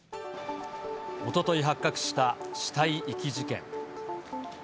おととい発覚した死体遺棄事件。